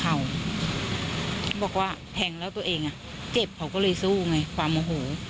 เขาบอกว่าแทงแล้วตัวเองอ่ะเจ็บเขาก็เลยสู้ไงความโมโห